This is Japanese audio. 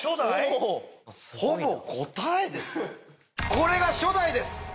これが初代です。